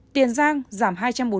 tiền giang giảm hai trăm bốn mươi